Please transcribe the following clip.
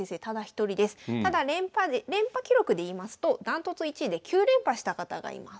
ただ連覇記録でいいますとダントツ１位で９連覇した方がいます。